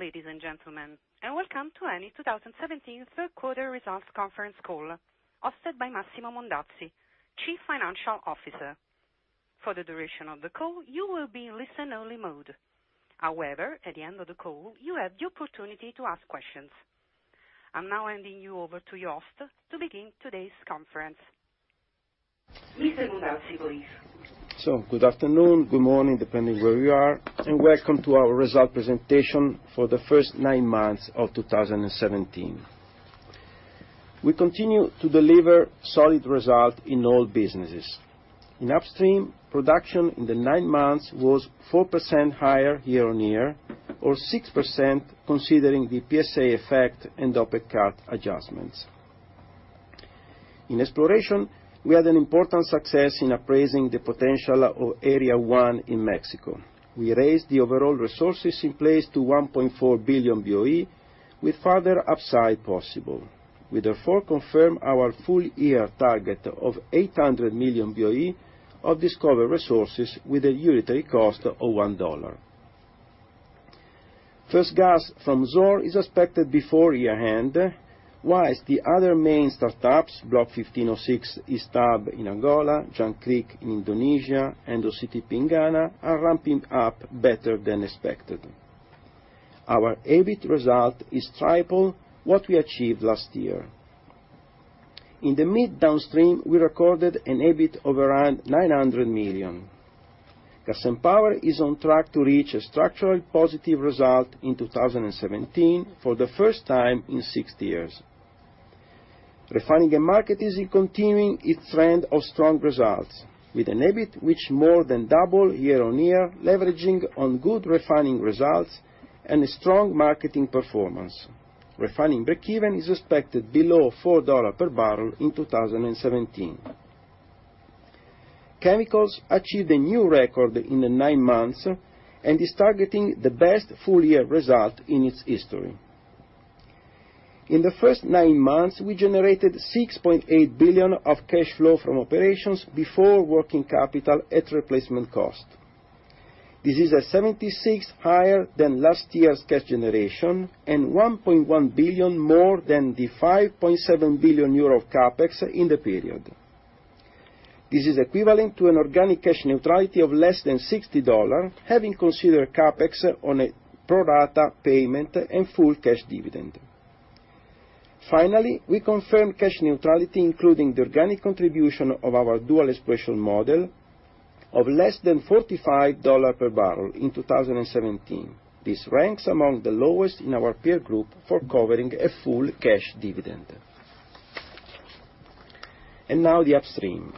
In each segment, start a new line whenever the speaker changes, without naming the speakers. Good afternoon, ladies and gentlemen, and welcome to Eni's 2017 third quarter results conference call hosted by Massimo Mondazzi, Chief Financial Officer. For the duration of the call, you will be in listen only mode. However, at the end of the call, you have the opportunity to ask questions. I'm now handing you over to your host to begin today's conference. Mr. Mondazzi, please.
Good afternoon, good morning, depending where you are, and welcome to our result presentation for the first nine months of 2017. We continue to deliver solid result in all businesses. In Upstream, production in the nine months was 4% higher year-on-year, or 6% considering the PSA effect and OPEC cut adjustments. In exploration, we had an important success in appraising the potential of Area 1 in Mexico. We raised the overall resources in place to 1.4 billion BOE, with further upside possible. We therefore confirm our full-year target of 800 million BOE of discovered resources with a unitary cost of $1. First gas from Zohr is expected before year-end, whilst the other main startups, Block 15/06 East Hub in Angola, Jangkrik in Indonesia, and OCTP in Ghana, are ramping up better than expected. Our EBIT result is triple what we achieved last year. In the midstream, we recorded an EBIT of around 900 million. Gas & Power is on track to reach a structural positive result in 2017 for the first time in 60 years. Refining & Marketing is continuing its trend of strong results, with an EBIT which more than double year-on-year, leveraging on good refining results and a strong marketing performance. Refining breakeven is expected below $4 per barrel in 2017. Chemicals achieved a new record in the nine months, and is targeting the best full-year result in its history. In the first nine months, we generated 6.8 billion of cash flow from operations before working capital at replacement cost. This is at 76% higher than last year's cash generation, and 1.1 billion more than the 5.7 billion euro CapEx in the period. This is equivalent to an organic cash neutrality of less than $60, having considered CapEx on a pro rata payment and full cash dividend. Finally, we confirm cash neutrality, including the organic contribution of our dual exploration model of less than $45 per barrel in 2017. This ranks among the lowest in our peer group for covering a full cash dividend. Now the Upstream.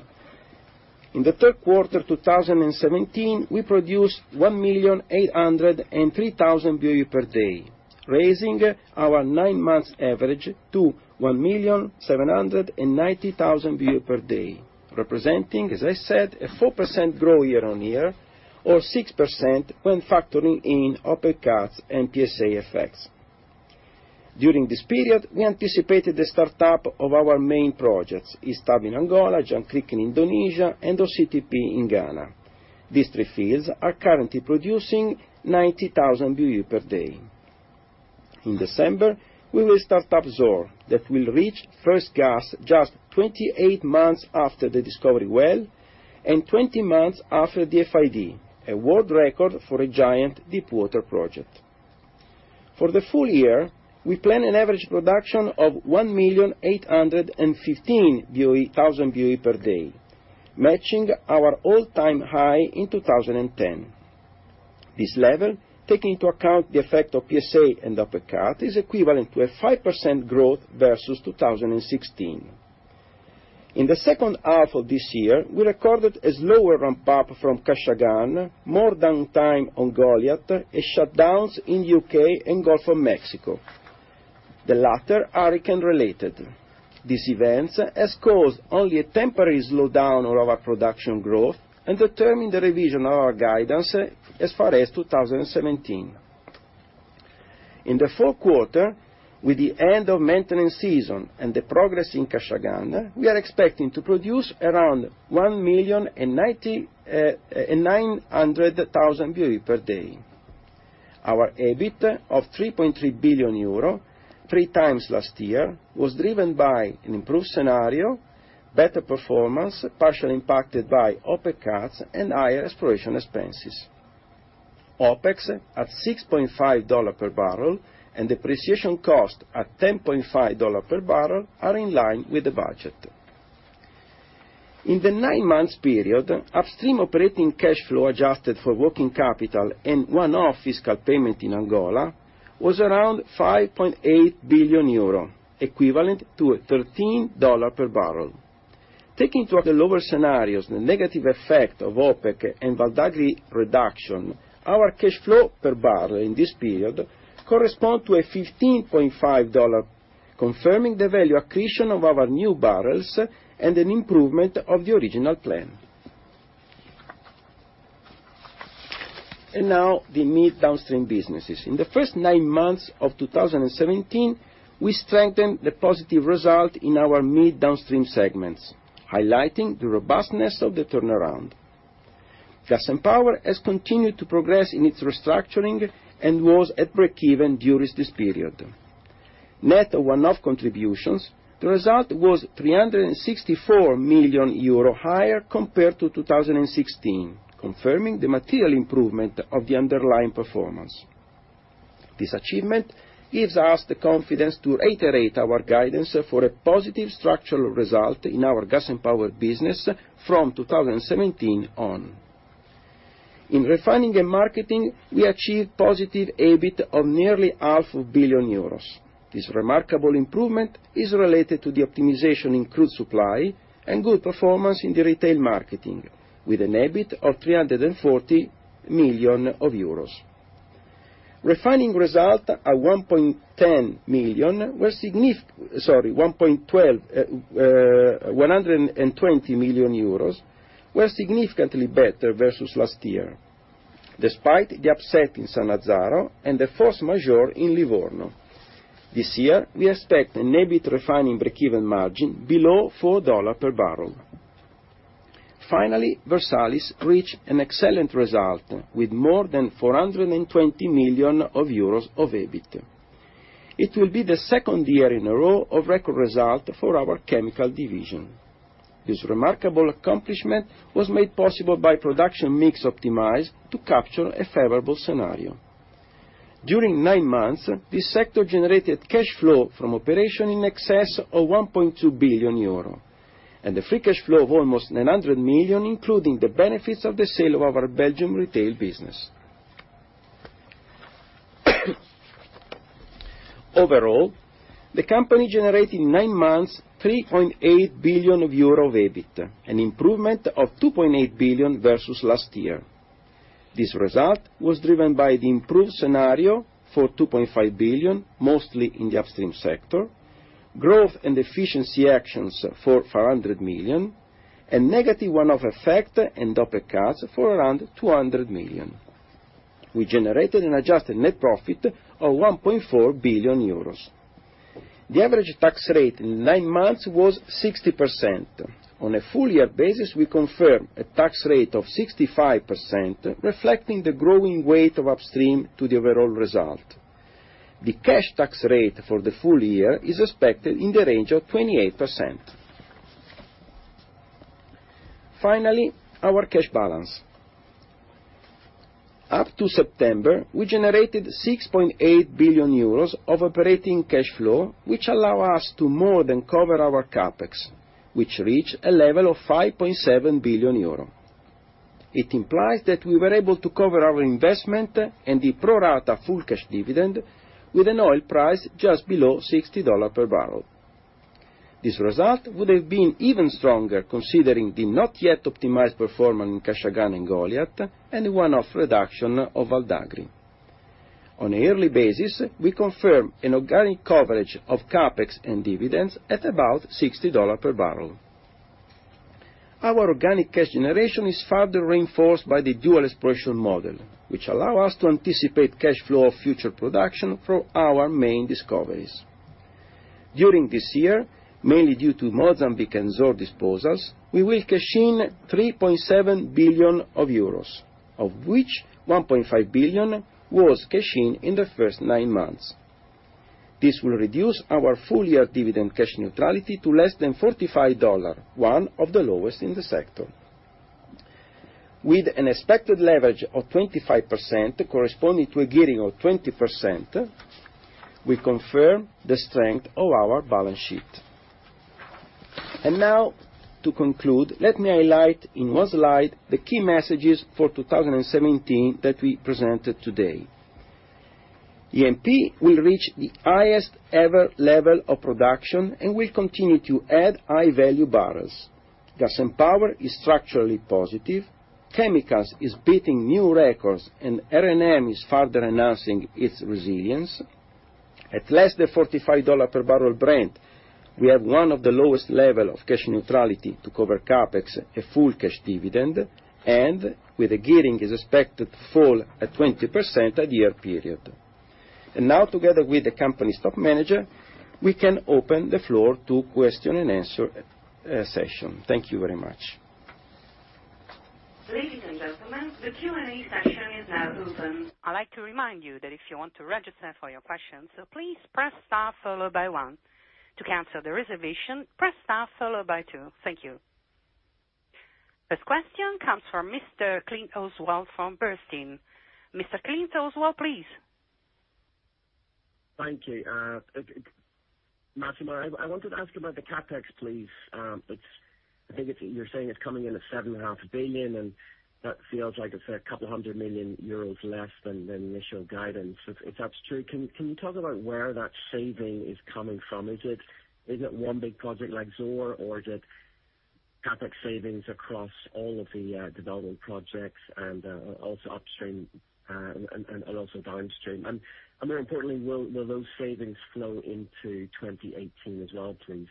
In the third quarter 2017, we produced 1,803,000 BOE per day, raising our nine-month average to 1,790,000 BOE per day, representing, as I said, a 4% growth year-on-year or 6% when factoring in OPEC cuts and PSA effects. During this period, we anticipated the startup of our main projects, East Hub in Angola, Jangkrik in Indonesia, and OCTP in Ghana. These three fields are currently producing 90,000 BOE per day. In December, we will start up Zohr, that will reach first gas just 28 months after the discovery well, and 20 months after the FID, a world record for a giant deepwater project. For the full year, we plan an average production of 1,815,000 BOE per day, matching our all-time high in 2010. This level, taking into account the effect of PSA and OPEC cut, is equivalent to a 5% growth versus 2016. In the second half of this year, we recorded a slower ramp-up from Kashagan, more downtime on Goliat, and shutdowns in U.K. and Gulf of Mexico, the latter hurricane related. These events has caused only a temporary slowdown of our production growth and determine the revision of our guidance as far as 2017. In the fourth quarter, with the end of maintenance season and the progress in Kashagan, we are expecting to produce around 1,900,000 BOE per day. Our EBIT of 3.3 billion euro, three times last year, was driven by an improved scenario, better performance, partially impacted by OPEC cuts, and higher exploration expenses. OPEX, at $6.50 per barrel, and depreciation cost at $10.50 per barrel, are in line with the budget. In the nine-month period, Upstream operating cash flow adjusted for working capital and one-off fiscal payment in Angola was around 5.8 billion euro, equivalent to a $13 per barrel. Taking to the lower scenarios, the negative effect of OPEC and Val d'Agri reduction, our cash flow per barrel in this period correspond to a $15.50, confirming the value accretion of our new barrels and an improvement of the original plan. Now the mid downstream businesses. In the first nine months of 2017, we strengthened the positive result in our mid downstream segments, highlighting the robustness of the turnaround. Gas & Power has continued to progress in its restructuring and was at breakeven during this period. Net one-off contributions, the result was 364 million euro higher compared to 2016, confirming the material improvement of the underlying performance. This achievement gives us the confidence to reiterate our guidance for a positive structural result in our Gas & Power business from 2017 on. In Refining & Marketing, we achieved positive EBIT of nearly half a billion EUR. This remarkable improvement is related to the optimization in crude supply and good performance in the retail marketing, with an EBIT of 340 million euros. Refining result at 120 million, were significantly better versus last year, despite the upset in Sannazzaro and the force majeure in Livorno. This year, we expect an EBIT refining breakeven margin below $4 per barrel. Finally, Versalis reached an excellent result with more than 420 million euros of EBIT. It will be the second year in a row of record result for our chemical division. This remarkable accomplishment was made possible by production mix optimized to capture a favorable scenario. During nine months, this sector generated cash flow from operation in excess of 1.2 billion euro. A free cash flow of almost 900 million, including the benefits of the sale of our Belgium retail business. Overall, the company generated nine months 3.8 billion euro of EBIT, an improvement of 2.8 billion versus last year. This result was driven by the improved scenario for 2.5 billion, mostly in the Upstream sector, growth and efficiency actions for 400 million, negative one-off effect and OPEC cuts for around 200 million. We generated an adjusted net profit of €1.4 billion. The average tax rate in nine months was 60%. On a full year basis, we confirm a tax rate of 65%, reflecting the growing weight of upstream to the overall result. The cash tax rate for the full year is expected in the range of 28%. Finally, our cash balance. Up to September, we generated €6.8 billion of operating cash flow, which allow us to more than cover our CapEx, which reached a level of €5.7 billion. It implies that we were able to cover our investment and the pro-rata full cash dividend with an oil price just below $60 per barrel. This result would have been even stronger considering the not yet optimized performance in Kashagan and Goliat and the one-off reduction of Val d'Agri. On a yearly basis, we confirm an organic coverage of CapEx and dividends at about $60 per barrel. Our organic cash generation is further reinforced by the dual exploration model, which allow us to anticipate cash flow of future production from our main discoveries. During this year, mainly due to Mozambique and Zohr disposals, we will cash in €3.7 billion, of which 1.5 billion was cash-in the first nine months. This will reduce our full-year dividend cash neutrality to less than $45, one of the lowest in the sector. With an expected leverage of 25% corresponding to a gearing of 20%, we confirm the strength of our balance sheet. Now to conclude, let me highlight in one slide the key messages for 2017 that we presented today. E&P will reach the highest ever level of production and will continue to add high-value barrels. Gas & Power is structurally positive. Chemicals is beating new records, and R&M is further enhancing its resilience. At less than $45 per barrel Brent, we have one of the lowest level of cash neutrality to cover CapEx, a full cash dividend, and where the gearing is expected to fall at 20% a year period. Now, together with the company stock manager, we can open the floor to question and answer session. Thank you very much.
Ladies and gentlemen, the Q&A session is now open. I'd like to remind you that if you want to register for your question, so please press star followed by one. To cancel the reservation, press star followed by two. Thank you. First question comes from Mr. Oswald Clint from Bernstein. Mr. Oswald Clint, please.
Thank you. Massimo, I wanted to ask about the CapEx, please. I think you're saying it's coming in at 7.5 billion, that feels like it's 200 million euros less than the initial guidance. If that's true, can you talk about where that saving is coming from? Is it one big project like Zohr, or is it CapEx savings across all of the development projects and also upstream and also downstream? More importantly, will those savings flow into 2018 as well, please?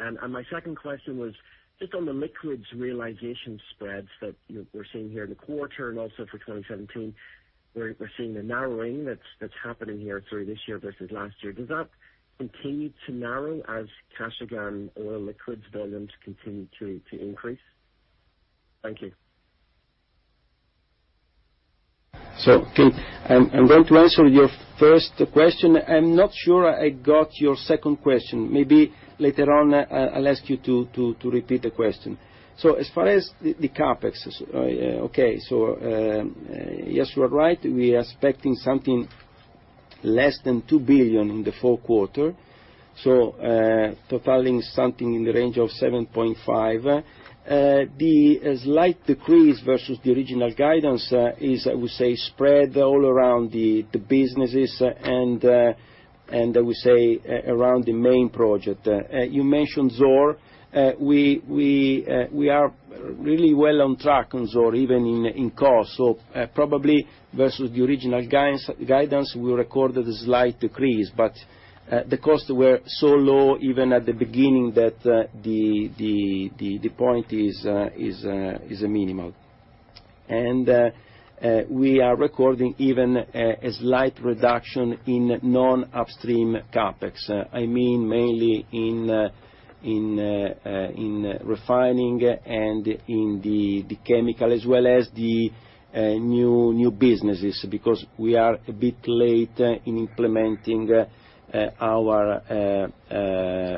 My second question was just on the liquids realization spreads that we're seeing here in the quarter and also for 2017. We're seeing the narrowing that's happening here through this year versus last year. Does that continue to narrow as Kashagan oil liquids volumes continue to increase? Thank you.
Okay, I'm going to answer your first question. I'm not sure I got your second question. Maybe later on, I'll ask you to repeat the question. As far as the CapEx, okay. Yes, you are right. We are expecting something less than 2 billion in the fourth quarter. Totaling something in the range of 7.5 billion. The slight decrease versus the original guidance is, I would say, spread all around the businesses and I would say, around the main project. You mentioned Zohr. We are really well on track on Zohr, even in cost. Probably versus the original guidance, we recorded a slight decrease, but the costs were so low even at the beginning that the point is minimal. We are recording even a slight reduction in non-upstream CapEx. I mean, mainly in refining and in the chemical, as well as the new businesses, because we are a bit late in implementing our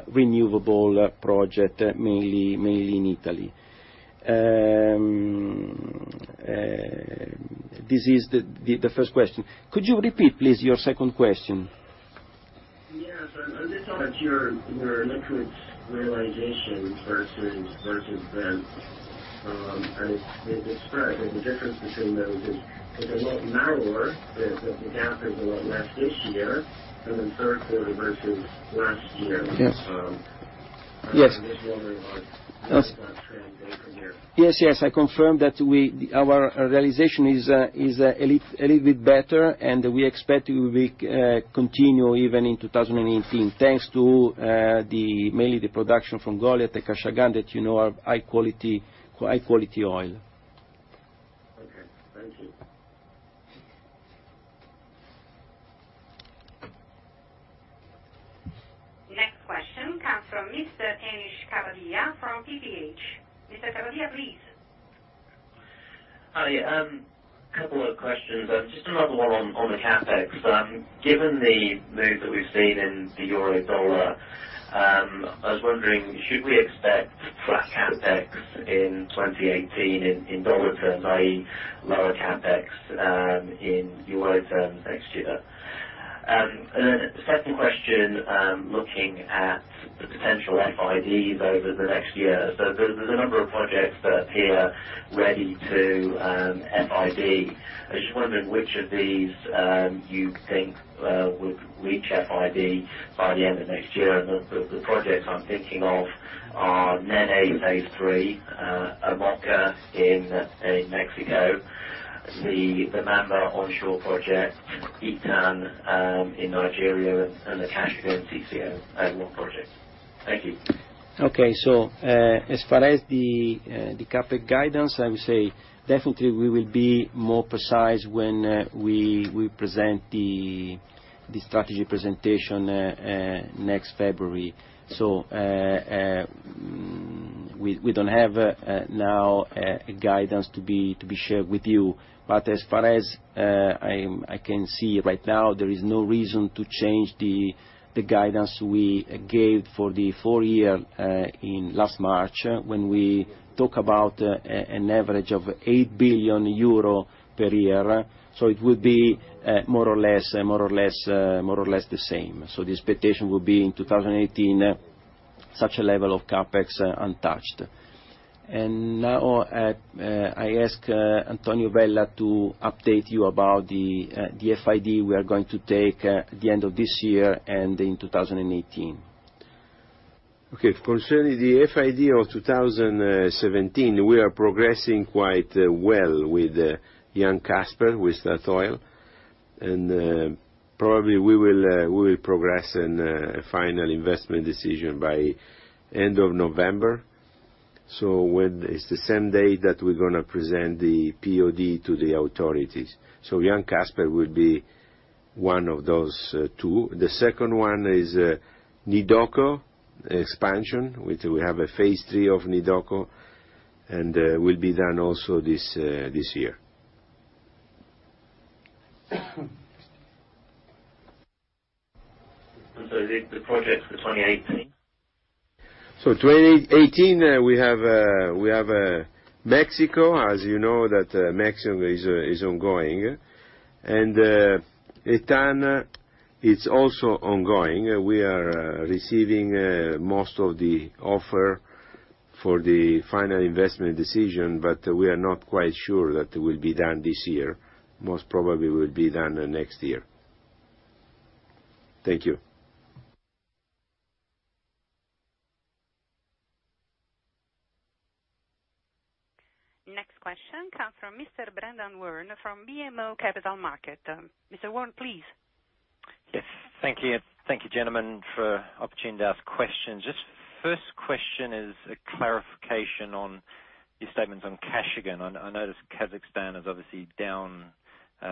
renewable project, mainly in Italy. This is the first question. Could you repeat, please, your second question?
Yes. On this audit, your liquids realization versus spend, the spread or the difference between those is a lot narrower, the gap is a lot less this year than the third quarter versus last year.
Yes.
I'm just wondering on that trend going from here.
Yes, yes. I confirm that our realization is a little bit better, and we expect it will continue even in 2018, thanks to mainly the production from Goliat and Kashagan that you know are high-quality oil.
Okay. Thank you.
Next question comes from Mr. Henish Khavadia from PPH. Mr. Khavadia, please.
Hi. A couple of questions. Just another one on the CapEx. Given the move that we've seen in the euro/dollar, I was wondering, should we expect flat CapEx in 2018 in US dollar terms, i.e., lower CapEx in euro terms next year? Then second question, looking at the potential FIDs over the next year. There's a number of projects that appear ready to FID. I just wondered which of these you think would reach FID by the end of next year. The projects I'm thinking of are Nenè Phase 3, Amoca in Mexico, the Mamba onshore project, Etan in Nigeria, and the Kashagan CCO add-on project. Thank you.
Okay. As far as the CapEx guidance, I would say definitely we will be more precise when we present the strategy presentation next February. We don't have now a guidance to be shared with you. As far as I can see right now, there is no reason to change the guidance we gave for the full year in last March, when we talk about an average of 8 billion euro per year. It would be more or less the same. The expectation will be in 2018, such a level of CapEx untouched. Now, I ask Antonio Vella to update you about the FID we are going to take at the end of this year and in 2018.
Okay. Concerning the FID of 2017, we are progressing quite well with Johan Castberg, with Statoil. Probably we will progress in a final investment decision by end of November. It's the same day that we're going to present the POD to the authorities. Johan Castberg will be one of those two. The second one is Ndungu expansion. We have a Phase 3 of Ndungu. Will be done also this year.
The projects for 2018?
We have Mexico, as you know that Mexico is ongoing. Etan it's also ongoing. We are receiving most of the offer for the final investment decision, we are not quite sure that it will be done this year. Most probably will be done next year. Thank you.
Next question comes from Mr. Brendan Warn from BMO Capital Markets. Mr. Warn, please.
Yes. Thank you. Thank you, gentlemen, for opportunity to ask questions. First question is a clarification on your statements on Kashagan. I noticed Kazakhstan is obviously down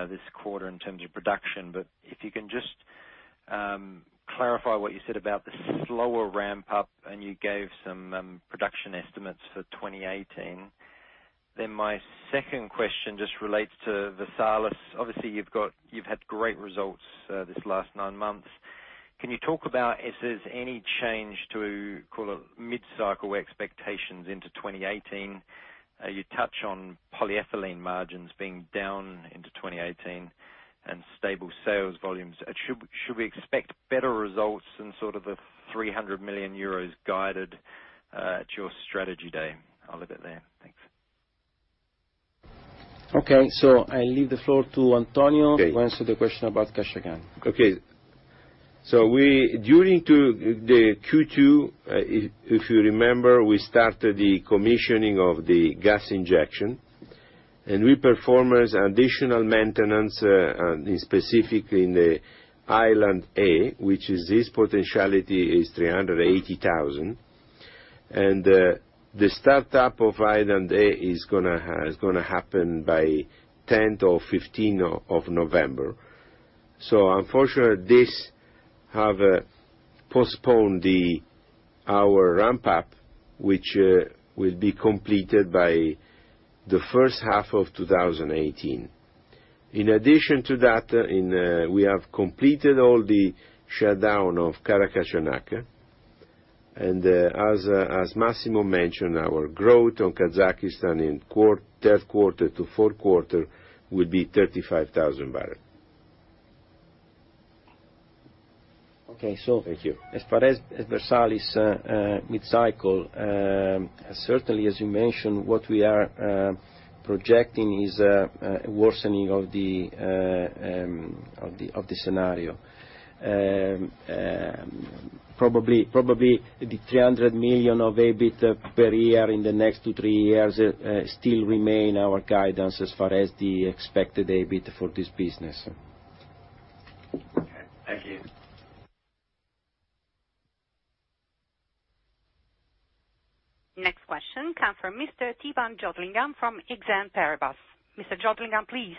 this quarter in terms of production. If you can just clarify what you said about the slower ramp-up, and you gave some production estimates for 2018. My second question just relates to Versalis. Obviously, you've had great results this last nine months. Can you talk about if there's any change to mid-cycle expectations into 2018? You touch on polyethylene margins being down into 2018 and stable sales volumes. Should we expect better results than sort of the 300 million euros guided at your strategy day? I'll leave it there. Thanks.
Okay. I leave the floor to Antonio to answer the question about Kashagan.
Okay. During the Q2, if you remember, we started the commissioning of the gas injection, and we performed additional maintenance, specifically in the Island A, which is this potentiality is 380,000. And the startup of Island A is going to happen by 10th or 15th of November. Unfortunately, this have postponed our ramp-up, which will be completed by the first half of 2018. In addition to that, we have completed all the shutdown of Karachaganak, and as Massimo mentioned, our growth on Kazakhstan in third quarter to fourth quarter will be 35,000 barrel.
Okay.
Thank you.
As far as Versalis mid-cycle, certainly as you mentioned, what we are projecting is a worsening of the scenario. Probably the 300 million of EBIT per year in the next two, three years still remain our guidance as far as the expected EBIT for this business.
Okay. Thank you.
Next question comes from Mr. Theepan Jothilingam from Exane BNP Paribas. Mr. Jothilingam, please.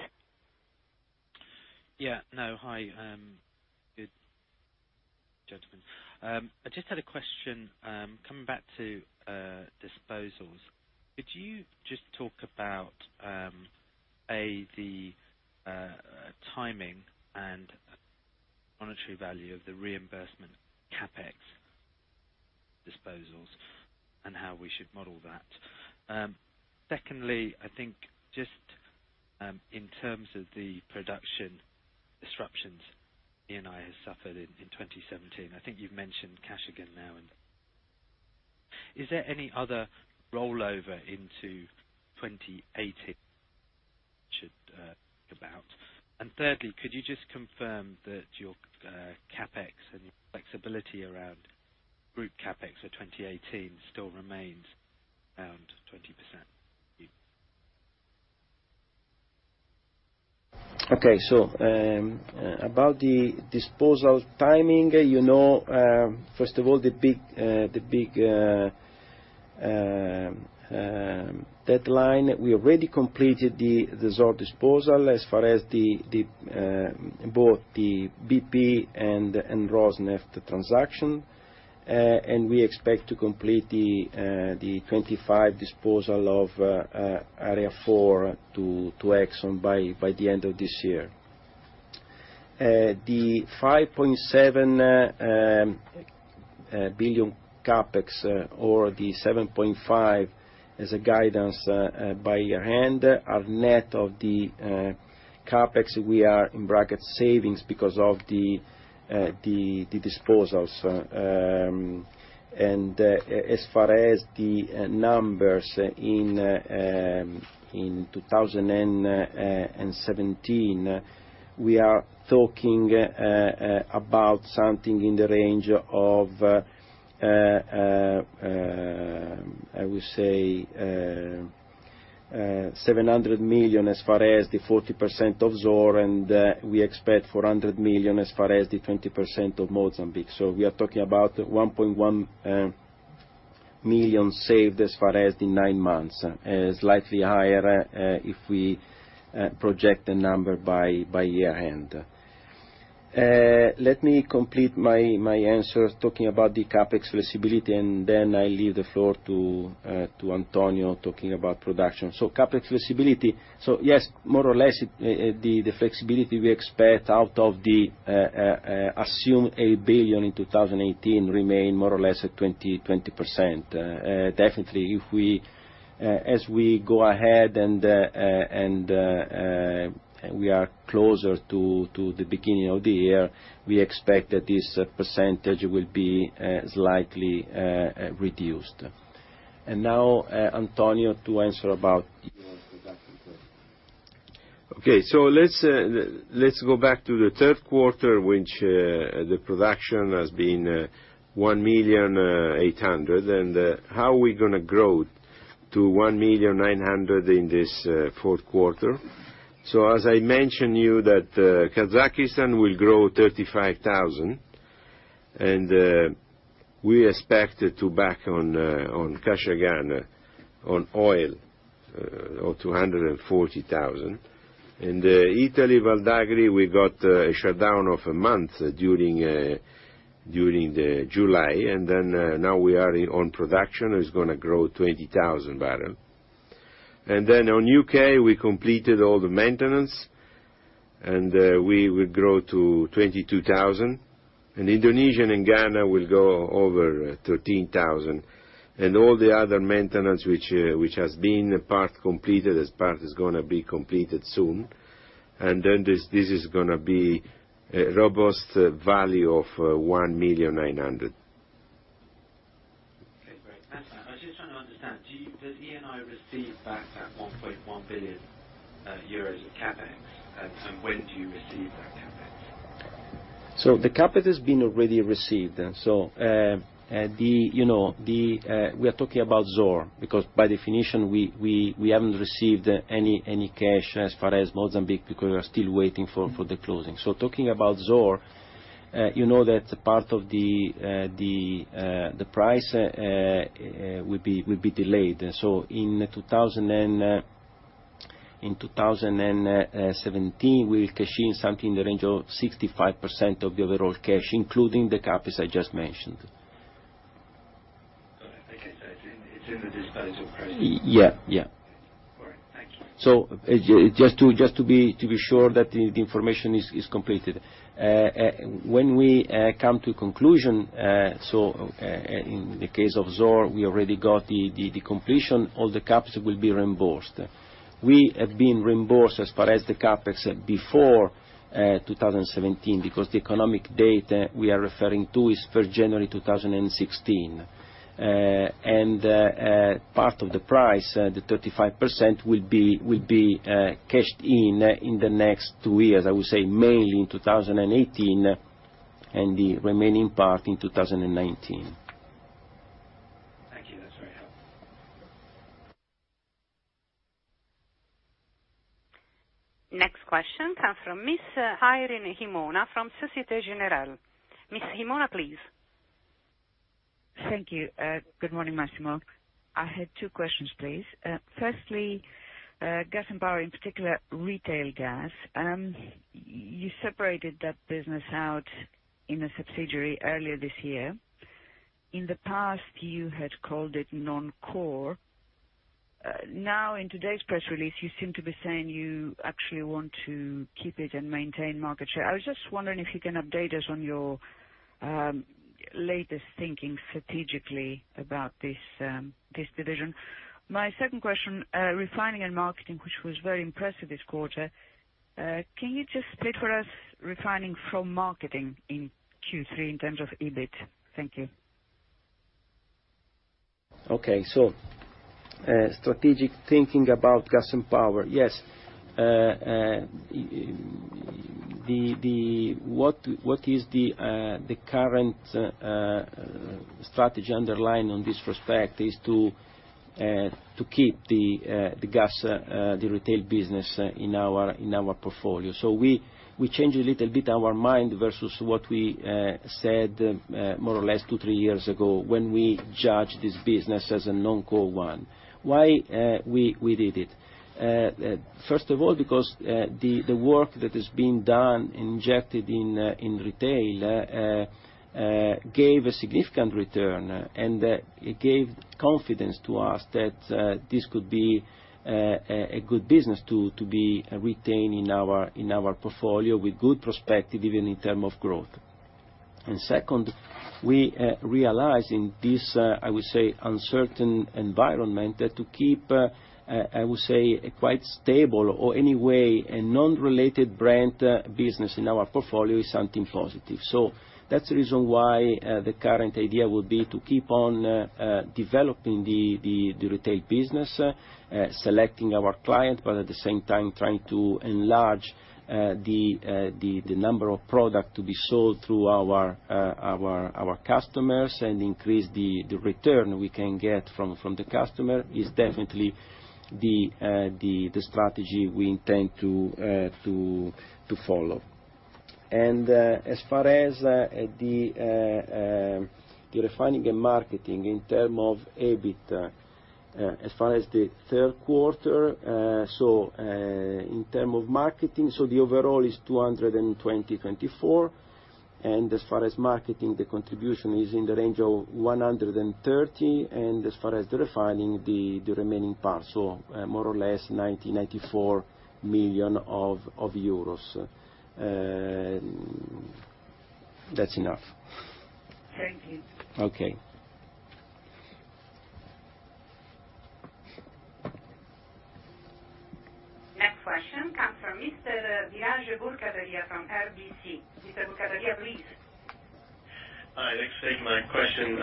Yeah. No. Hi, good gentlemen. I just had a question coming back to disposals. Could you just talk about, A, the timing and monetary value of the reimbursement CapEx disposals and how we should model that? Secondly, I think just in terms of the production disruptions Eni has suffered in 2017, I think you've mentioned Kashagan now, is there any other rollover into 2018, which about? Thirdly, could you just confirm that your CapEx and flexibility around group CapEx for 2018 still remains around 20%? Thank you.
About the disposal timing, first of all, the big deadline, we already completed the Zohr disposal as far as both the BP and Rosneft transaction. We expect to complete the 25 disposal of Area 4 to ExxonMobil by the end of this year. The 5.7 billion CapEx or the 7.5 as a guidance by year end are net of the CapEx. We are in bracket savings because of the disposals. As far as the numbers in 2017, we are talking about something in the range of, I would say, 700 million as far as the 40% of Zohr, and we expect 400 million as far as the 20% of Mozambique. We are talking about 1.1 million saved as far as the nine months, slightly higher, if we project the number by year end. Let me complete my answer talking about the CapEx flexibility, then I leave the floor to Antonio talking about production. CapEx flexibility. Yes, more or less, the flexibility we expect out of the assumed 8 billion in 2018 remain more or less at 20%. Definitely, as we go ahead, and we are closer to the beginning of the year, we expect that this percentage will be slightly reduced. Now, Antonio, to answer about your production question.
Let's go back to the third quarter, which the production has been 1.8 million, and how we going to grow To 1.9 million in this fourth quarter. As I mentioned you that Kazakhstan will grow 35,000, and we expect it to back on Kashagan on oil of 240,000. In Italy, Val d'Agri, we got a shutdown of a month during July, then now we are on production, it's going to grow 20,000 barrels. Then on U.K., we completed all the maintenance, and we will grow to 22,000. Indonesia and Ghana will go over 13,000. All the other maintenance which has been part completed, as part is going to be completed soon. Then this is going to be a robust value of 1.9 million.
Thanks for that. I was just trying to understand, does Eni receive back that EUR 1.1 billion of CapEx? When do you receive that CapEx?
The CapEx has been already received. We are talking about Zohr, because by definition, we haven't received any cash as far as Mozambique, because we are still waiting for the closing. Talking about Zohr, you know that part of the price will be delayed. In 2017, we'll cash in something in the range of 65% of the overall cash, including the CapEx I just mentioned.
Okay. It's in the disposal price?
Yeah.
All right. Thank you.
Just to be sure that the information is completed. When we come to conclusion, in the case of Zohr, we already got the completion, all the CapEx will be reimbursed. We have been reimbursed as far as the CapEx before 2017, because the economic data we are referring to is per January 2016. Part of the price, the 35%, will be cashed in the next two years, I would say mainly in 2018, and the remaining part in 2019.
Thank you. That's very helpful.
Next question comes from Ms. Irene Himona from Société Générale. Ms. Himona, please.
Thank you. Good morning, Massimo. I had two questions, please. Firstly, Gas & Power, in particular, retail gas. You separated that business out in a subsidiary earlier this year. In the past, you had called it non-core. Now, in today's press release, you seem to be saying you actually want to keep it and maintain market share. I was just wondering if you can update us on your latest thinking strategically about this division. My second question, Refining & Marketing, which was very impressive this quarter. Can you just split for us refining from marketing in Q3 in terms of EBIT? Thank you.
Okay. Strategic thinking about Gas & Power. Yes. What is the current strategy underlying on this respect is to keep the gas, the retail business in our portfolio. We change a little bit our mind versus what we said more or less two, three years ago, when we judged this business as a non-core one. Why we did it? First of all, because the work that is being done, injected in retail, gave a significant return, and it gave confidence to us that this could be a good business to be retained in our portfolio with good perspective, even in term of growth. Second, we realize in this, I would say, uncertain environment, to keep, I would say, a quite stable or anyway a non-related brand business in our portfolio is something positive. That's the reason why the current idea will be to keep on developing the retail business, selecting our client, but at the same time trying to enlarge the number of product to be sold through our customers and increase the return we can get from the customer is definitely the strategy we intend to follow. As far as the Refining & Marketing in terms of EBIT, as far as the third quarter, in terms of marketing, the overall is 220 million-224 million. As far as marketing, the contribution is in the range of 130 million. As far as the refining, the remaining part. More or less 90 million-94 million euros. That's enough.
Thank you.
Okay.
Next question comes from Mr. Biraj Borkhataria from RBC. Mr. Borkhataria, please.
Hi, thanks for taking my question.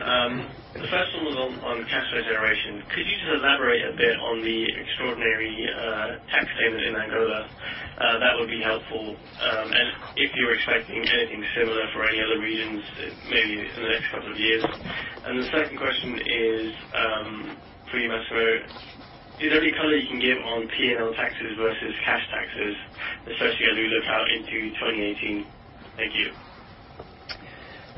The first one was on cash flow generation. Could you just elaborate a bit on the extraordinary tax payment in Angola? That would be helpful. If you're expecting anything similar for any other regions, maybe in the next couple of years. The second question is for you, Massimo. Is there any color you can give on P&L taxes versus cash taxes, especially as we look out into 2018? Thank you.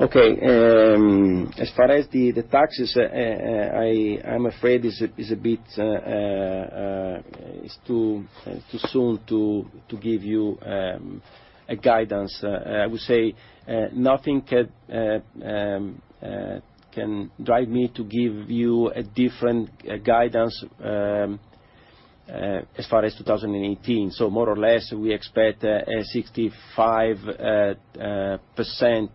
Okay. As far as the taxes, I'm afraid it is too soon to give you a guidance. I would say nothing can drive me to give you a different guidance as far as 2018. More or less, we expect a 65%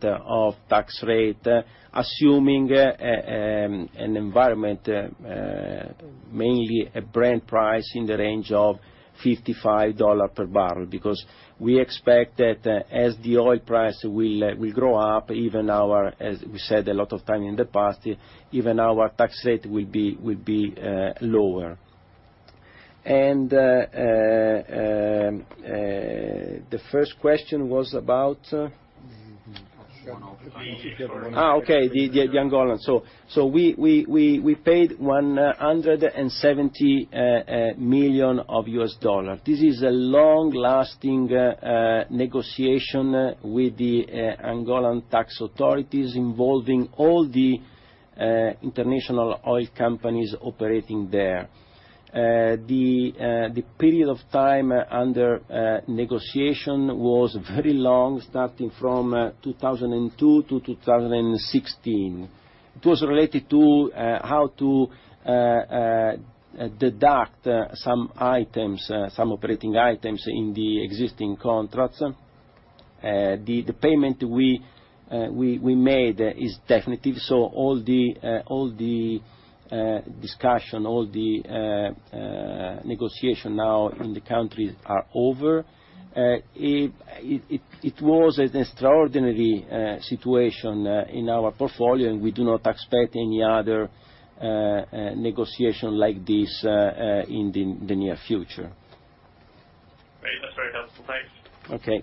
of tax rate, assuming an environment, mainly a Brent price in the range of $55 per barrel, because we expect that as the oil price will grow up, even our, as we said a lot of time in the past, even our tax rate will be lower. The first question was about?
Angola.
Okay. The Angolan. We paid $170 million of U.S. dollar. This is a long-lasting negotiation with the Angolan tax authorities involving all the international oil companies operating there. The period of time under negotiation was very long, starting from 2002 to 2016. It was related to how to deduct some operating items in the existing contracts. The payment we made is definitive, so all the discussion, all the negotiation now in the country are over. It was an extraordinary situation in our portfolio, and we do not expect any other negotiation like this in the near future.
Great. That's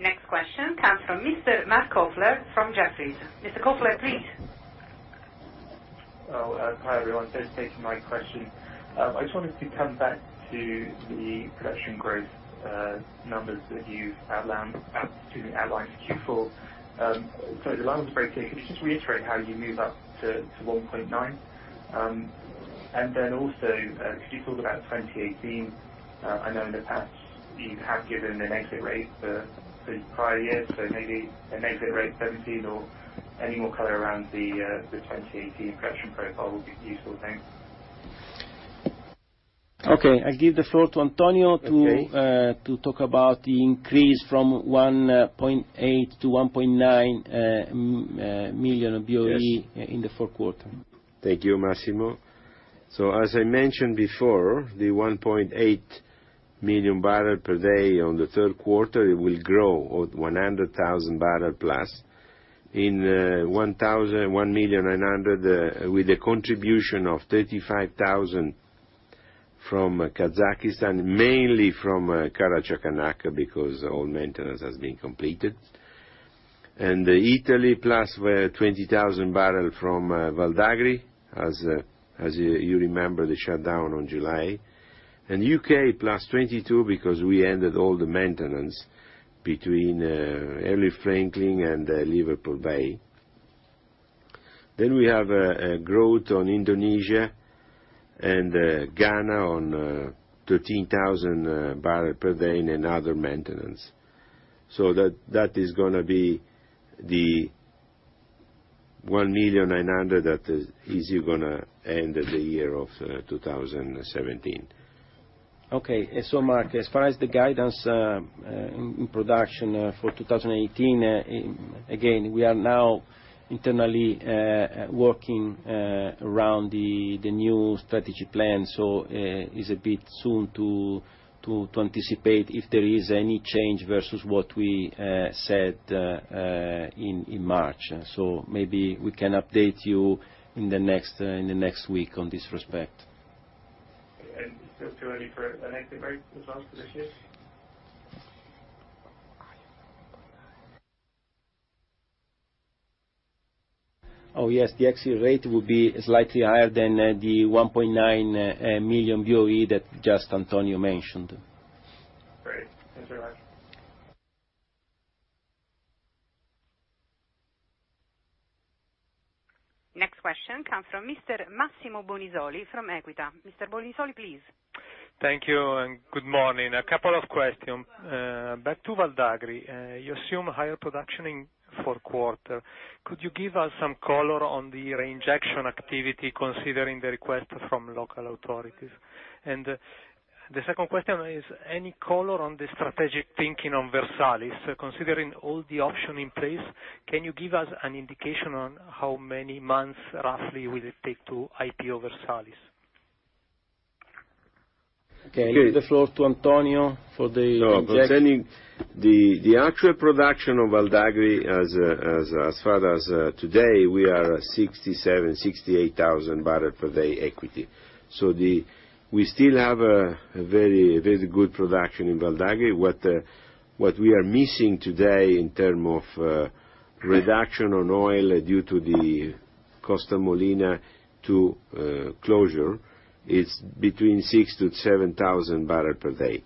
very helpful. Thanks.
Okay.
Next question comes from Mr. Matthew Lofting from Jefferies. Mr. Lofting, please.
Oh, hi, everyone. Thanks for taking my question. I just wanted to come back to the production growth numbers that you outlined for Q4. The line was very clear. Could you just reiterate how you move up to 1.9? Could you talk about 2018? I know in the past you have given an exit rate for the prior year, so maybe an exit rate 2017 or any more color around the 2018 production profile will be useful, thanks.
Okay. I give the floor to Antonio to.
Okay
talk about the increase from 1.8 to 1.9 million BOE.
Yes
in the fourth quarter.
Thank you, Massimo. As I mentioned before, the 1.8 million barrel per day on the third quarter, it will grow 100,000 barrel plus in 1.9 million with a contribution of 35,000 from Kazakhstan, mainly from Karachaganak because all maintenance has been completed. Italy plus 20,000 barrel from Val d'Agri, as you remember, they shut down on July. U.K. plus 22 because we ended all the maintenance between Elgin-Franklin and Liverpool Bay. We have a growth on Indonesia and Ghana on 13,000 barrel per day and other maintenance. That is going to be the 1.9 million that is going to end the year of 2017.
Okay. Matthew, as far as the guidance in production for 2018, again, we are now internally working around the new strategy plan. It's a bit soon to anticipate if there is any change versus what we said in March. Maybe we can update you in the next week on this respect.
Still too early for an exit rate as well for this year?
Oh, yes. The exit rate will be slightly higher than the 1.9 million BOE that just Antonio mentioned.
Great. Thanks very much.
Next question comes from Mr. Massimo Bonisoli from Equita. Mr. Bonisoli, please.
Thank you. Good morning. A couple of questions. Back to Val d'Agri. You assume higher production in fourth quarter. Could you give us some color on the reinjection activity considering the request from local authorities? The second question is, any color on the strategic thinking on Versalis? Considering all the options in place, can you give us an indication on how many months roughly will it take to IPO Versalis?
Can I give the floor to Antonio for the injection?
Concerning the actual production of Val d'Agri as far as today, we are 67,000-68,000 barrel per day equity. We still have a very good production in Val d'Agri. What we are missing today in terms of reduction on oil due to the Costa Molina 2 closure is between 6,000-7,000 barrel per day.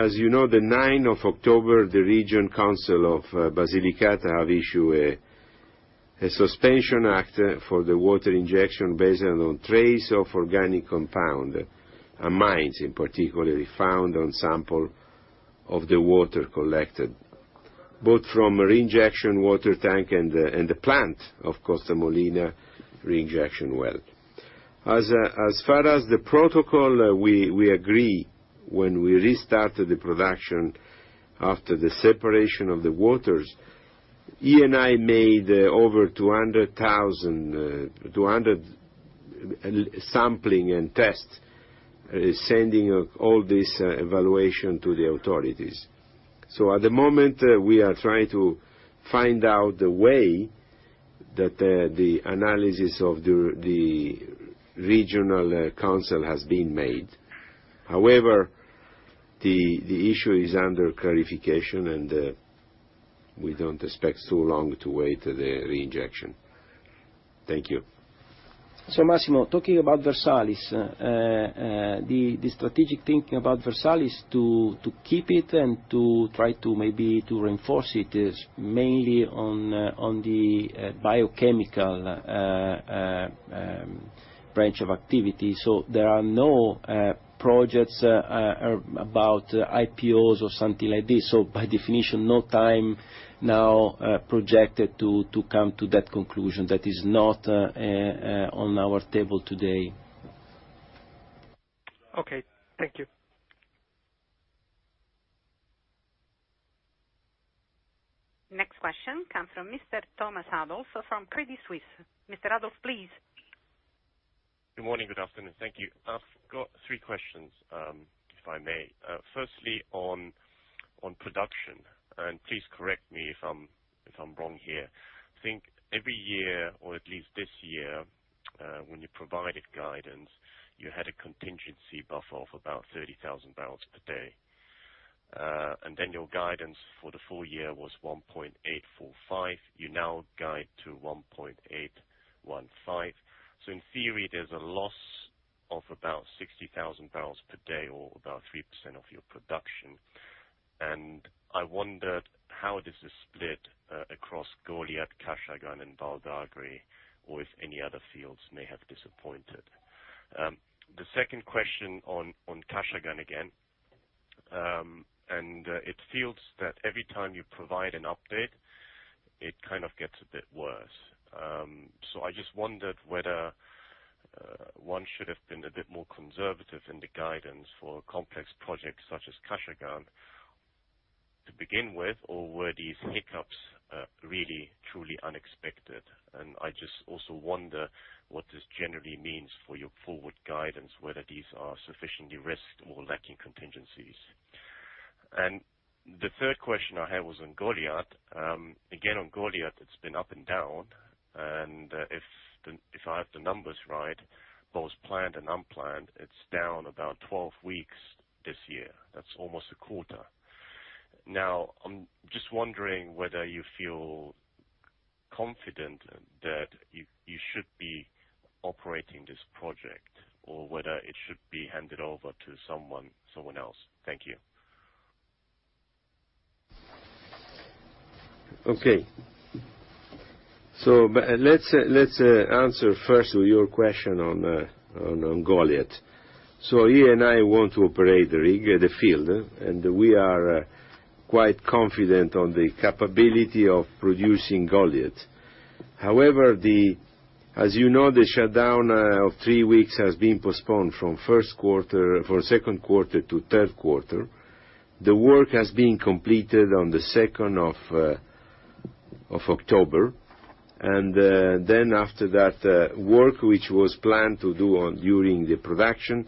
As you know, the 9th of October, the region council of Basilicata has issued a suspension act for the water injection based on trace of organic compound, amines in particular, found on sample of the water collected, both from reinjection water tank and the plant of Costa Molina 2 reinjection well. As far as the protocol, we agree when we restarted the production after the separation of the waters, Eni made over 200 sampling and tests, sending all this evaluation to the authorities. At the moment, we are trying to find out the way that the analysis of the regional council has been made. However, the issue is under clarification, and we don't expect too long to wait the reinjection. Thank you.
Massimo, talking about Versalis. The strategic thinking about Versalis to keep it and to try to maybe to reinforce it is mainly on the biochemical branch of activity. There are no projects about IPOs or something like this. By definition, no time now projected to come to that conclusion. That is not on our table today.
Okay. Thank you.
Next question comes from Mr. Thomas Adolff from Credit Suisse. Mr. Adolff, please.
Good morning, good afternoon. Thank you. I've got three questions, if I may. Firstly, on production, please correct me if I'm wrong here. I think every year, or at least this year, when you provided guidance, you had a contingency buffer of about 30,000 barrels per day. Your guidance for the full year was 1.845. You now guide to 1.815. In theory, there's a loss of about 60,000 barrels per day or about 3% of your production. I wondered how this is split across Goliat, Kashagan, and Val d'Agri, or if any other fields may have disappointed. The second question on Kashagan again. It feels that every time you provide an update, it kind of gets a bit worse. I just wondered whether one should have been a bit more conservative in the guidance for complex projects such as Kashagan to begin with, or were these hiccups really truly unexpected? I just also wonder what this generally means for your forward guidance, whether these are sufficiently risked or lacking contingencies. The third question I had was on Goliat. Again, on Goliat, it's been up and down, and if I have the numbers right, both planned and unplanned, it's down about 12 weeks this year. That's almost a quarter. I'm just wondering whether you feel confident that you should be operating this project or whether it should be handed over to someone else. Thank you.
Okay. Let's answer first with your question on Goliat. Eni want to operate the rig at the field, and we are quite confident on the capability of producing Goliat. However, as you know, the shutdown of three weeks has been postponed from second quarter to third quarter. The work has been completed on the 2nd of October, after that work, which was planned to do during the production,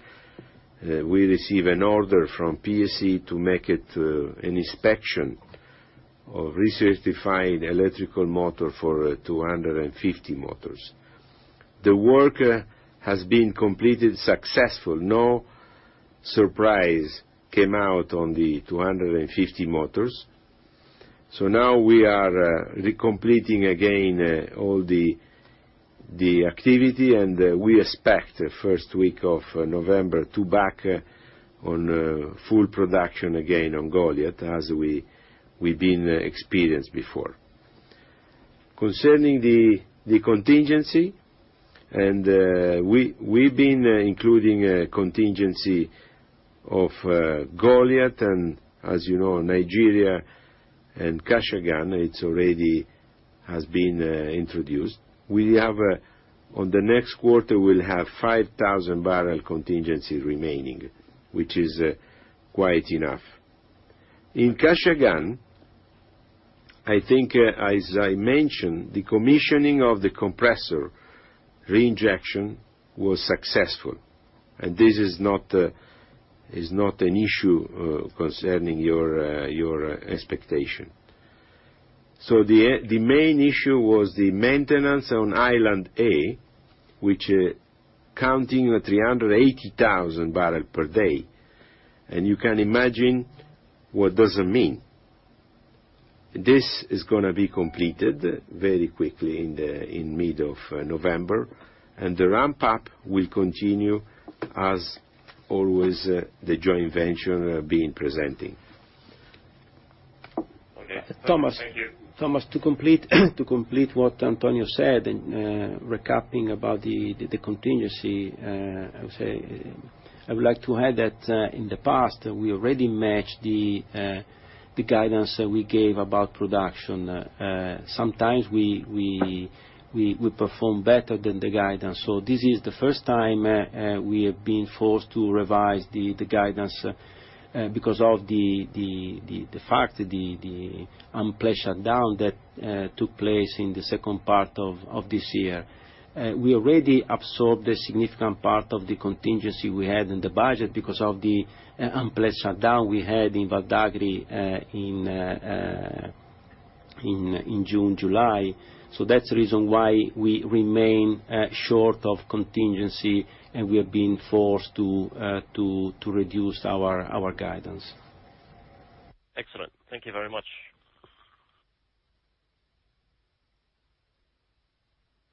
we receive an order from PSE to make it an inspection of recertifying electrical motor for 250 motors. The work has been completed successful. No surprise came out on the 250 motors. Now we are re-completing again all the activity, and we expect first week of November to be back on full production again on Goliat as we've been experienced before. Concerning the contingency, we've been including a contingency of Goliat and, as you know, Nigeria and Kashagan, it already has been introduced. On the next quarter, we'll have 5,000 barrel contingency remaining, which is quite enough. In Kashagan I think, as I mentioned, the commissioning of the compressor reinjection was successful, and this is not an issue concerning your expectation. The main issue was the maintenance on Island A, which is counting 380,000 barrels per day, and you can imagine what that means. This is going to be completed very quickly in the middle of November, and the ramp-up will continue as always, the joint venture being presented. Okay. Thank you.
Thomas, to complete what Antonio said, recapping about the contingency, I would like to add that in the past, we already matched the guidance that we gave about production. Sometimes we perform better than the guidance. This is the first time we have been forced to revise the guidance because of the fact, the unplanned shutdown that took place in the second part of this year. We already absorbed a significant part of the contingency we had in the budget because of the unplanned shutdown we had in Val d'Agri in June, July. That's the reason why we remain short of contingency, and we have been forced to reduce our guidance.
Excellent. Thank you very much.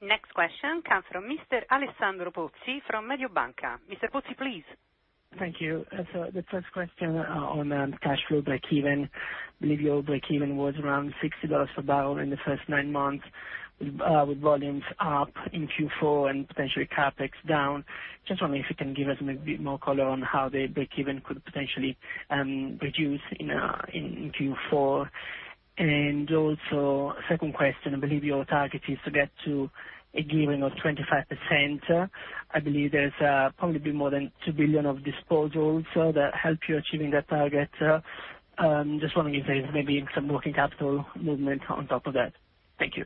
Next question comes from Mr. Alessandro Pozzi from Mediobanca. Mr. Pozzi, please.
Thank you. The first question on the cash flow breakeven, I believe your breakeven was around $60 per barrel in the first nine months, with volumes up in Q4 and potentially CapEx down. Just wondering if you can give us maybe more color on how the breakeven could potentially reduce in Q4. Second question, I believe your target is to get to a gearing of 25%. I believe there's probably be more than 2 billion of disposals that help you achieving that target. Just wondering if there is maybe some working capital movement on top of that. Thank you.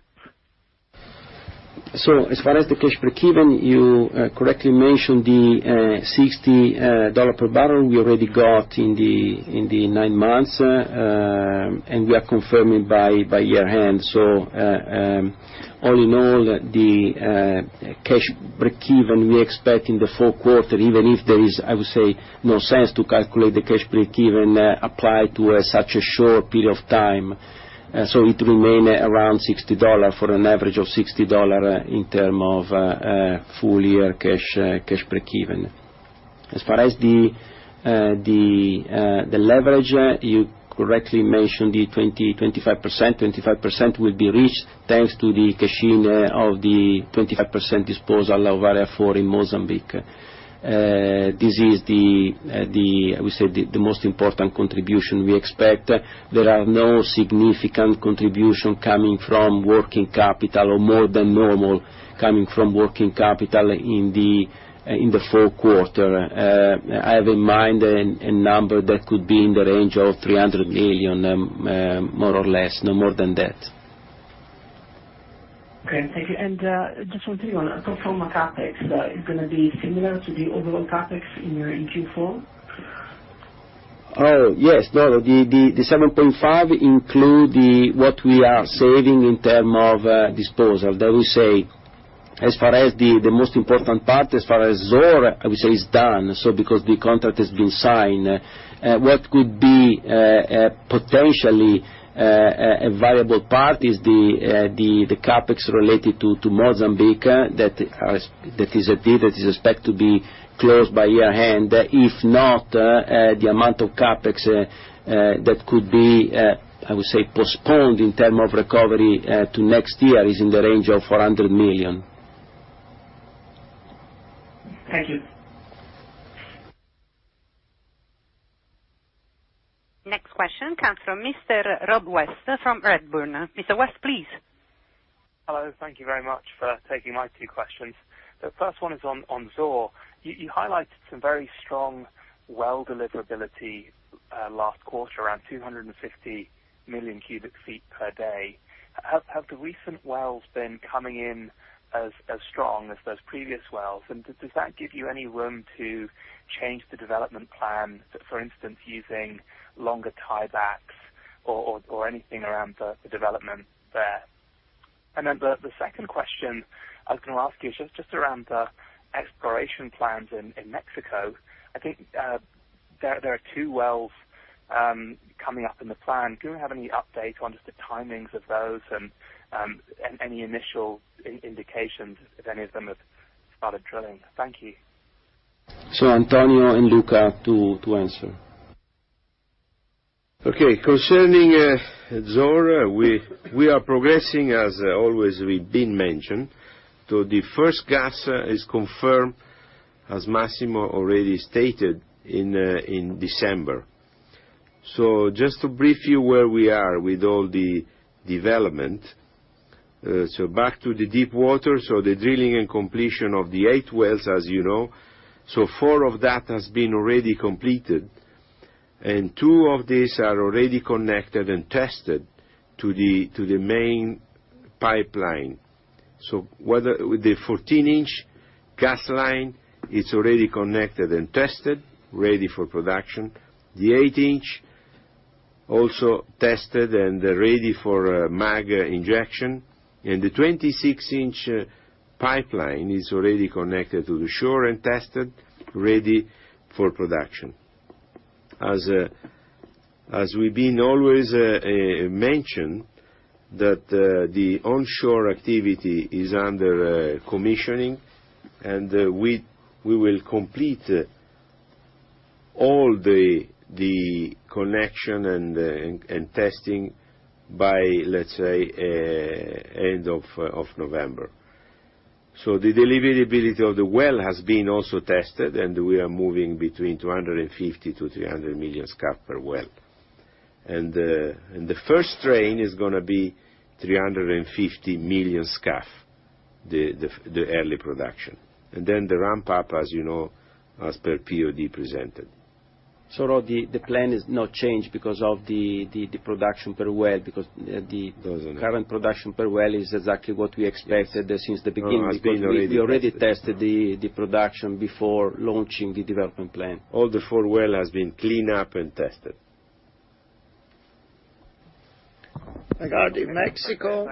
As far as the cash breakeven, you correctly mentioned the $60 per barrel we already got in the nine months, we are confirming by year-end. All in all, the cash breakeven we expect in the full quarter, even if there is, I would say, no sense to calculate the cash breakeven applied to such a short period of time. It will remain around $60 for an average of $60 in terms of full-year cash breakeven. As far as the leverage, you correctly mentioned the 25% will be reached thanks to the cashing of the 25% disposal of Area 4 in Mozambique. This is, I would say, the most important contribution we expect. There are no significant contribution coming from working capital or more than normal, coming from working capital in the full quarter. I have in mind a number that could be in the range of 300 million, more or less, no more than that.
Okay, thank you. Just wondering on the pro forma CapEx, is it going to be similar to the overall CapEx in your Q4?
Oh, yes. No, the 7.5 include what we are saving in term of disposal. That we say, as far as the most important part, as far as Zohr, I would say is done, because the contract has been signed. What could be potentially a variable part is the CapEx related to Mozambique. That is a deal that is expected to be closed by year-end. If not, the amount of CapEx that could be, I would say, postponed in term of recovery to next year is in the range of 400 million.
Thank you.
Next question comes from Mr. Rob West from Redburn. Mr. West, please.
Hello. Thank you very much for taking my two questions. The first one is on Zohr. You highlighted some very strong well deliverability last quarter, around 250 million cubic feet per day. Have the recent wells been coming in as strong as those previous wells? Does that give you any room to change the development plan, for instance, using longer tiebacks or anything around the development there? The second question I was going to ask you, just around the exploration plans in Mexico. I think there are two wells coming up in the plan. Do you have any update on just the timings of those and any initial indications if any of them have started drilling? Thank you.
Antonio and Luca to answer. Concerning Zohr, we are progressing as always we've been mentioned. The first gas is confirmed, as Massimo already stated, in December. Just to brief you where we are with all the development. Back to the deep water, the drilling and completion of the 8 wells, as you know. 4 of that has been already completed, and 2 of these are already connected and tested to the main pipeline. With the 14-inch gas line, it's already connected and tested, ready for production. The 8-inch also tested and ready for MEG injection and the 26-inch pipeline is already connected to the shore and tested, ready for production. As we've been always mentioned that the onshore activity is under commissioning, and we will complete all the connection and testing by, let's say, end of November. The deliverability of the well has been also tested, and we are moving between 250 to 300 million scf per well. The first train is going to be 350 million scf, the early production. The ramp-up, as you know, as per POD presented.
The plan is not changed because of the production per well, because the-
Doesn't
current production per well is exactly what we expected since the beginning.
No, has been already tested.
We already tested the production before launching the development plan.
All the four well has been clean up and tested.
Regarding Mexico,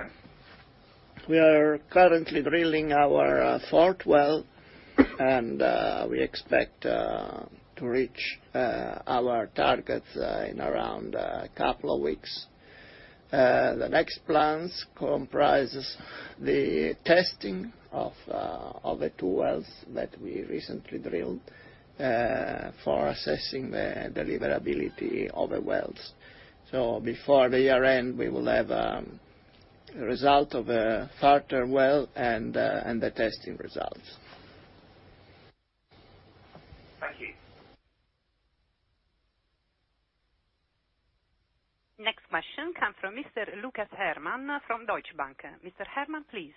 we are currently drilling our fourth well, and we expect to reach our targets in around a couple of weeks. The next plans comprises the testing of the two wells that we recently drilled for assessing the deliverability of the wells. Before the year-end, we will have a result of a further well and the testing results.
Thank you.
Next question comes from Mr. Lucas Herrmann from Deutsche Bank. Mr. Herrmann, please.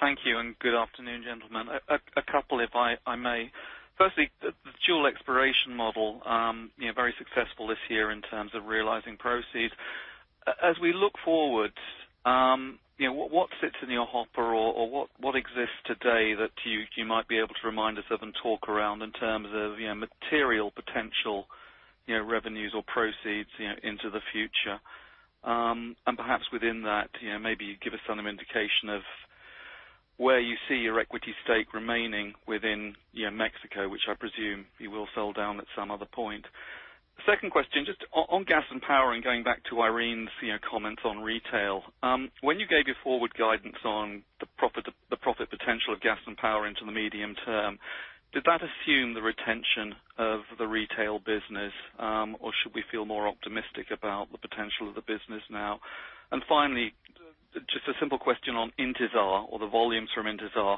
Thank you, good afternoon, gentlemen. A couple, if I may. Firstly, the dual exploration model, very successful this year in terms of realizing proceeds. As we look forward, what sits in your hopper or what exists today that you might be able to remind us of and talk around in terms of material potential, revenues or proceeds into the future? Perhaps within that, maybe give us some indication of where you see your equity stake remaining within Mexico, which I presume you will sell down at some other point. Second question, just on Gas & Power and going back to Irene's comments on retail. When you gave your forward guidance on the profit potential of Gas & Power into the medium term, did that assume the retention of the retail business, or should we feel more optimistic about the potential of the business now? Finally, just a simple question on Intisar or the volumes from Intisar.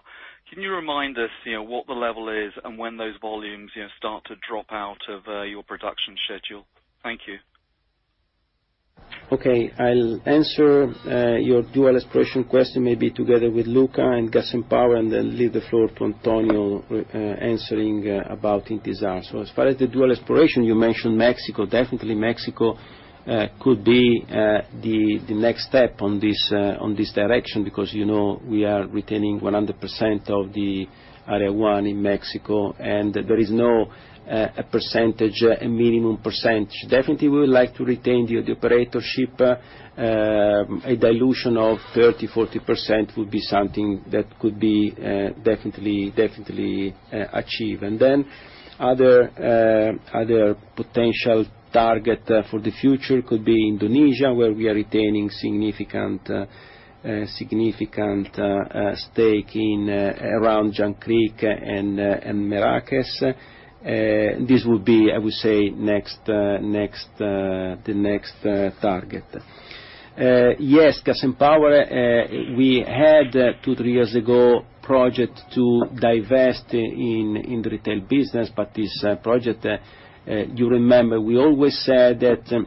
Can you remind us what the level is and when those volumes start to drop out of your production schedule? Thank you.
I'll answer your dual exploration question, maybe together with Luca and Gas & Power, and then leave the floor to Antonio answering about Intisar. As far as the dual exploration, you mentioned Mexico. Definitely Mexico could be the next step on this direction because we are retaining 100% of the Area 1 in Mexico, and there is no minimum percentage. Definitely, we would like to retain the operatorship. A dilution of 30%-40% would be something that could be definitely achieved. Other potential target for the future could be Indonesia, where we are retaining significant stake in around Jangkrik and Merakes. This would be, I would say, the next target. Gas & Power, we had two, three years ago, project to divest in the retail business. This project, you remember, we always said that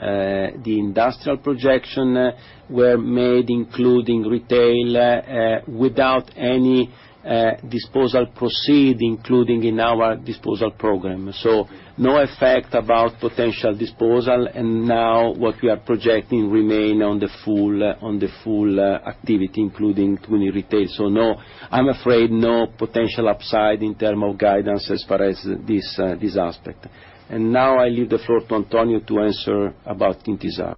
the industrial projection were made, including retail, without any disposal proceed, including in our disposal program. No effect about potential disposal, and now what we are projecting remain on the full activity, including retail. I'm afraid no potential upside in term of guidance as far as this aspect. Now I leave the floor to Antonio to answer about Intisar.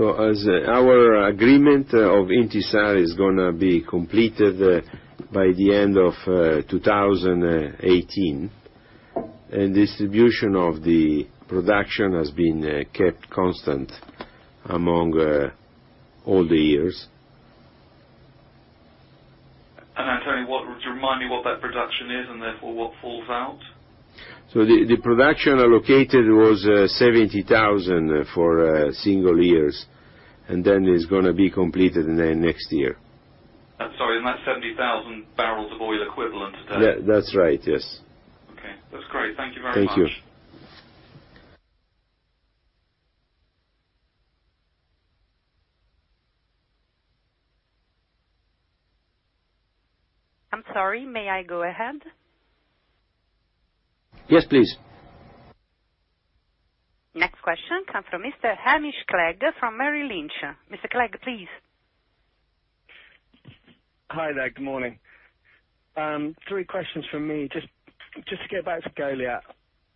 As our agreement of Intisar is going to be completed by the end of 2018, distribution of the production has been kept constant among all the years.
Antonio, would you remind me what that production is and therefore what falls out?
The production allocated was 70,000 for single years, and then it's going to be completed in the next year.
Sorry, that's 70,000 barrels of oil equivalent a day?
That's right, yes.
That's great. Thank you very much.
Thank you.
I'm sorry. May I go ahead?
Yes, please.
Next question come from Mr. Hamish Clegg from Merrill Lynch. Mr. Clegg, please.
Hi there. Good morning. Three questions from me. Just to get back to Goliat.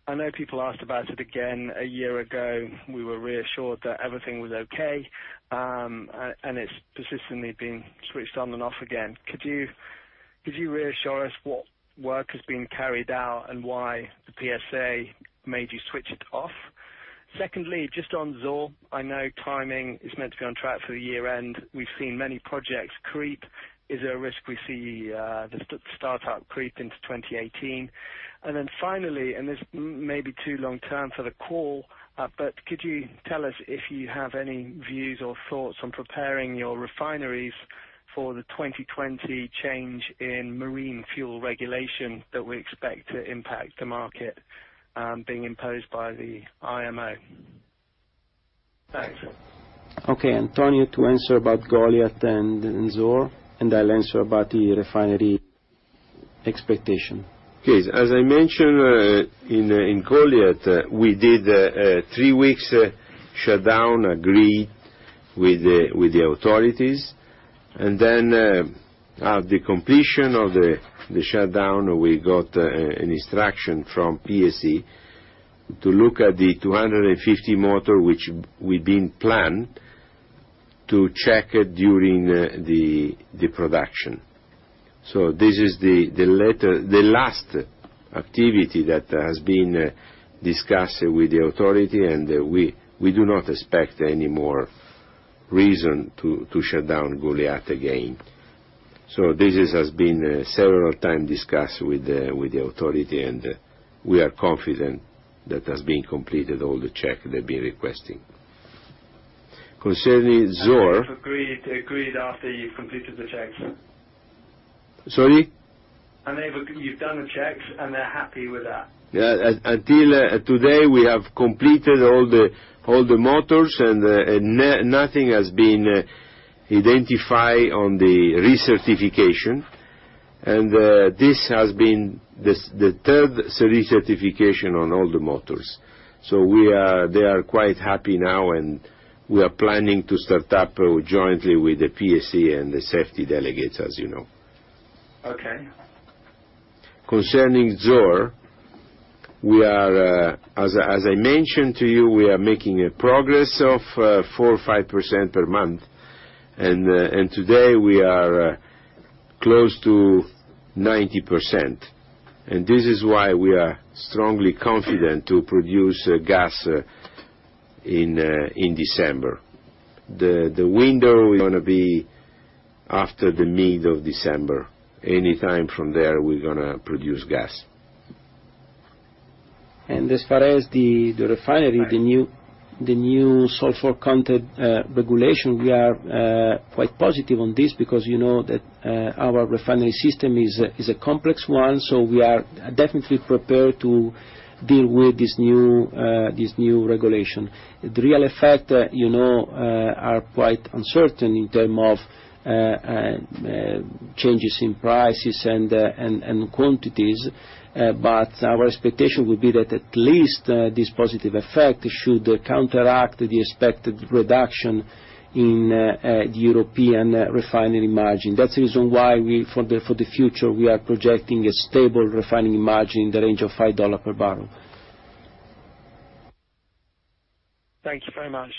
I know people asked about it again a year ago. We were reassured that everything was okay, and it's persistently being switched on and off again. Could you reassure us what work has been carried out and why the PSA made you switch it off? Secondly, just on Zohr, I know timing is meant to be on track for the year-end. We've seen many projects creep. Is there a risk we see the startup creep into 2018? Finally, and this may be too long-term for the call, but could you tell us if you have any views or thoughts on preparing your refineries for the 2020 change in marine fuel regulation that we expect to impact the market, being imposed by the IMO? Thanks.
Okay, Antonio to answer about Goliat and Zohr, and I'll answer about the refinery expectation.
Yes. As I mentioned, in Goliat, we did three weeks shutdown, agreed with the authorities. At the completion of the shutdown, we got an instruction from PSE to look at the 250 motor, which we've been planned to check during the production. This is the last activity that has been discussed with the authority, and we do not expect any more reason to shut down Goliat again. This has been several times discussed with the authority, and we are confident that has been completed all the check they've been requesting. Concerning Zohr-
They've agreed after you've completed the checks?
Sorry?
You've done the checks, and they're happy with that?
Until today, we have completed all the motors, nothing has been identified on the recertification. This has been the third recertification on all the motors. They are quite happy now, and we are planning to start up jointly with the PSE and the safety delegates, as you know.
Okay.
Concerning Zohr, as I mentioned to you, we are making a progress of 4% or 5% per month, today we are close to 90%. This is why we are strongly confident to produce gas in December. The window we're going to be after the mid of December. Anytime from there, we're going to produce gas.
As far as the refinery, the new sulfur content regulation, we are quite positive on this because you know that our refinery system is a complex one, we are definitely prepared to deal with this new regulation. The real effect are quite uncertain in terms of changes in prices and quantities, our expectation would be that at least this positive effect should counteract the expected reduction in the European refinery margin. That's the reason why for the future, we are projecting a stable refining margin in the range of $5 per barrel.
Thank you very much.